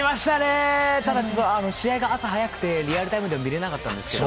ただ、試合が朝早くてリアルタイムでは見れなかったんですけど。